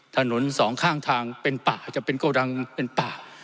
สองข้างทางเป็นป่าจะเป็นโกดังเป็นป่า